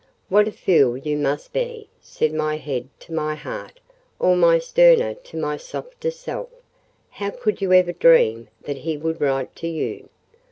"What a fool you must be," said my head to my heart, or my sterner to my softer self;—"how could you ever dream that he would write to you?